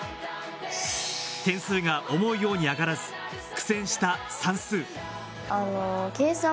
点数が思うように上がらず苦戦した算数。